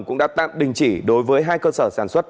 cũng đã tạm đình chỉ đối với hai cơ sở sản xuất